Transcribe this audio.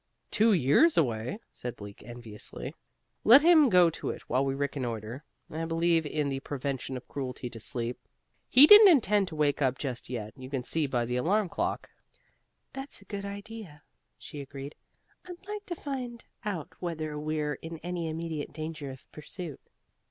"Two years away," said Bleak enviously. "Let him go to it while we reconnoiter. I believe in the Prevention of Cruelty to Sleep. He didn't intend to wake up just yet, you can see by the alarm clock." "That's a good idea," she agreed. "I'd like to find out whether we're in any immediate danger of pursuit."